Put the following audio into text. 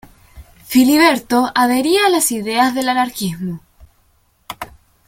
Filiberto adhería a las ideas del anarquismo.